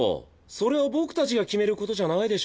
それは僕たちが決めることじゃないでしょ。